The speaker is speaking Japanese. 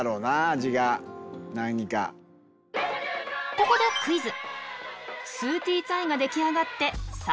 ここでクイズ。え？